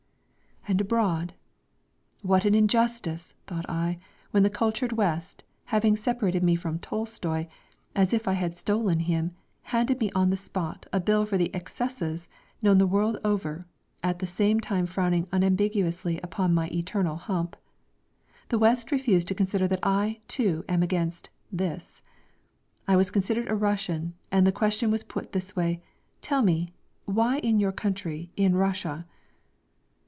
And abroad? "What an injustice!" thought I, when the cultured West, having separated me from Tolstoy, as if I had stolen him, handed me on the spot, a bill for the "excesses" known the world over, at the same time frowning unambiguously upon my eternal hump. The West refused to consider that I, too, am against this. I was considered a Russian, and the question was put this way: "Tell me, why in your country, in Russia?..."